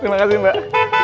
terima kasih mbak